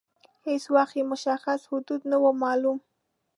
هیڅ وخت یې مشخص حدود نه وه معلوم.